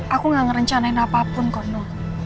aku gak ngerencanain apapun konon